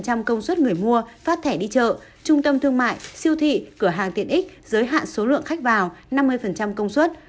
công suất người mua phát thẻ đi chợ trung tâm thương mại siêu thị cửa hàng tiện ích giới hạn số lượng khách vào năm mươi công suất